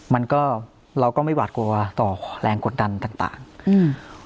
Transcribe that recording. มันก็เราก็ไม่หวาดกลัวต่อแรงกดดันต่างต่างอืม